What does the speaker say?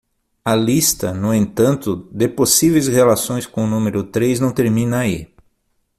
A lista, no entanto, de possíveis relações com o número três não termina aí.